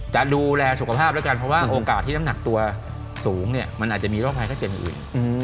จะดูแลสุขภาพแล้วกันเพราะว่าโอกาสที่น้ำหนักตัวสูงเนี่ยมันอาจจะมีโรคภัยไข้เจ็บอย่างอื่น